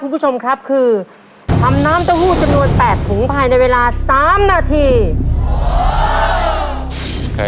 แปลก